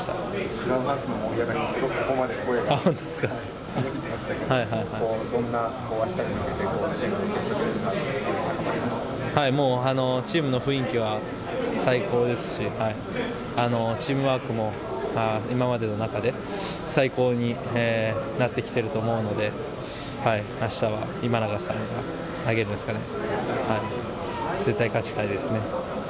クラブハウスの盛り上がりも、すごく、ここまで聞こえてきて、どんな、もうチームの雰囲気は最高ですし、チームワークも今までの中で最高になってきてると思うので、あしたは今永さんが投げるんですかね、絶対勝ちたいですね。